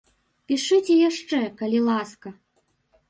Пішыце яшчэ, калі ласка!